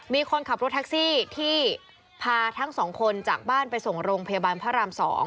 มีคนขับรถแท็กซี่ที่พาทั้งสองคนจากบ้านไปส่งโรงพยาบาลพระราม๒